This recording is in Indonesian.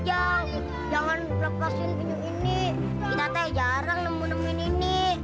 jangan lepasin ini kita teh jarang nemu nemuin ini